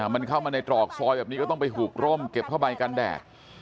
มันเข้ามาในตรอกซอยแบบนี้ก็ต้องไปหุกร่มเก็บผ้าใบกันแดด